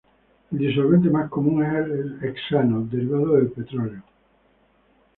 El disolvente más común es el hexano derivado del petróleo.